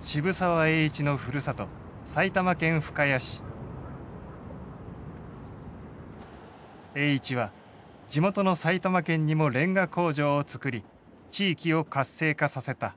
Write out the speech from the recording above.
渋沢栄一のふるさと栄一は地元の埼玉県にもレンガ工場を造り地域を活性化させた。